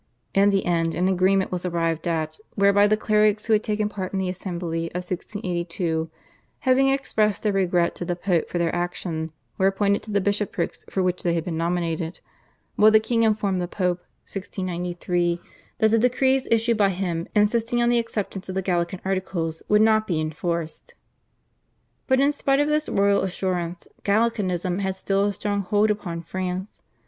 In the end an agreement was arrived at, whereby the clerics who had taken part in the Assembly of 1682, having expressed their regret to the Pope for their action, were appointed to the bishoprics for which they had been nominated; while the king informed the Pope (1693) that the decrees issued by him insisting on the acceptance of the Gallican Articles, would not be enforced. But in spite of this royal assurance, Gallicanism had still a strong hold upon France.